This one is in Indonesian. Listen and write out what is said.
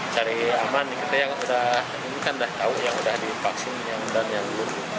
cari aman kita yang udah ini kan udah tahu yang udah divaksin yang dan yang dulu